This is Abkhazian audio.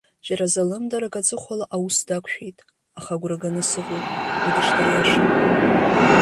Џьара залымдарак аҵыхәала аус дақәшәеит, аха, агәра ганы сыҟоуп, уи дышдыриашо!